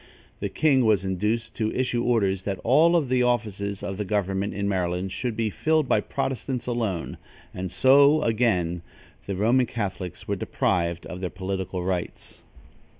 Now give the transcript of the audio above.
The king was induced to issue orders that all the offices of the government in Maryland should be filled by Protestants alone; and so, again, the Roman Catholics were deprived of their political rights.